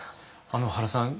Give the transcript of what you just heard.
原さん